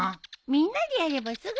みんなでやればすぐだよ。